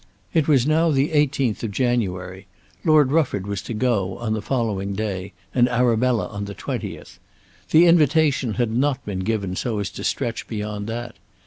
It was now the 18th of January. Lord Rufford was to go on the following day, and Arabella on the 20th. The invitation had not been given so as to stretch beyond that.